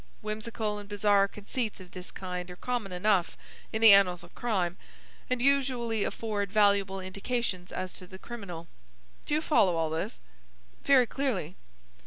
Whimsical and bizarre conceits of this kind are common enough in the annals of crime, and usually afford valuable indications as to the criminal. Do you follow all this?" "Very clearly."